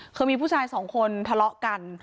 คือมีผู้ชายสองคนทะเลาะกัน